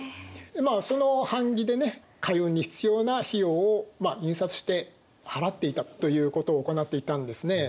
まあその版木でね海運に必要な費用を印刷して払っていたということを行っていたんですね。